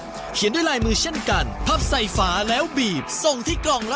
ยินดีด้วยอีกครั้งนะคะขอบคุณมากเลยค่ะ